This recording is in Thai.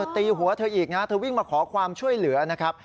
ตีหัวเธออีกนะเธอวิ่งมาขอความช่วยเหลือนะครับ